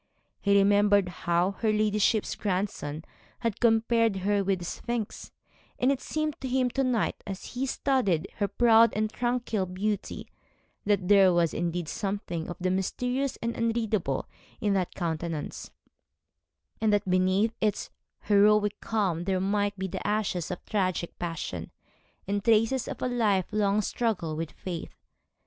He remembered how her ladyship's grandson had compared her with the Sphinx; and it seemed to him to night, as he studied her proud and tranquil beauty, that there was indeed something of the mysterious, the unreadable in that countenance, and that beneath its heroic calm there might be the ashes of tragic passion, the traces of a life long struggle with fate.